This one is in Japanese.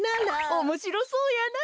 おもしろそうやなあ。